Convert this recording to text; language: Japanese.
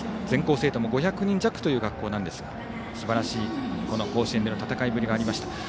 全校生徒も５００人弱という学校ですがすばらしい甲子園での戦いぶりでした。